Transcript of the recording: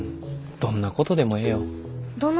どんなことでもええの？